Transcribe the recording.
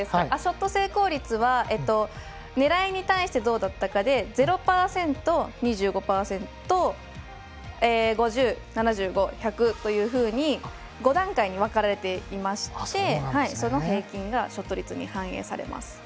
ショット成功率は狙いに対してどうだったかで０％、２５％５０、７５、１００というふうに５段階に分かれていましてその平均がショット率に反映されます。